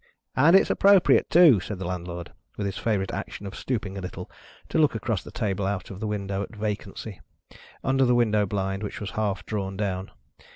And it's appropriate too," said the Landlord, with his favourite action of stooping a little, to look across the table out of window at vacancy, under the window blind which was half drawn down.